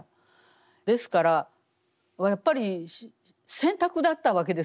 ですからやっぱり選択だったわけです